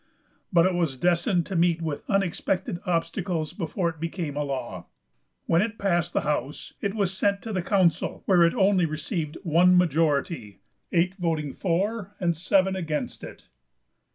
But it was destined to meet with unexpected obstacles before it became a law. When it passed the house it was sent to the council, where it only received one majority, eight voting for and seven against it.